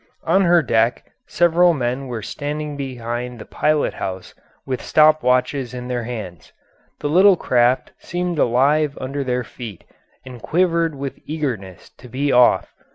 On her deck several men were standing behind the pilot house with stop watches in their hands. The little craft seemed alive under their feet and quivered with eagerness to be off.